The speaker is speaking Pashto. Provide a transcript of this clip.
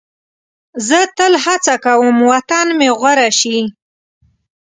زه تل هڅه کوم وطن مې غوره شي.